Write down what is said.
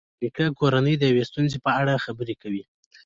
نیکه د کورنۍ د یوې ستونزې په اړه خبرې کوي.